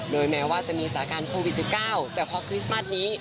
โดยแม้ว่าจะมีสาขาปี๑๙แต่เพราะคริสต์มาร์ทนี้